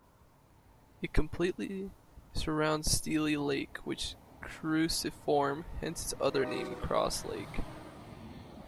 It completely surrounds Steele Lake, which is cruciform, hence its other name "Cross Lake".